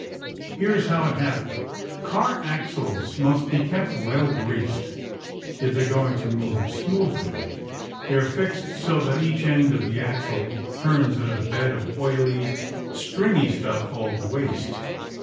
Here is how it happened: Car axles must be kept well greased if they are going to move smoothly. They are fixed so that each end of the axle turns in a bed of oily stringy stuff called waste.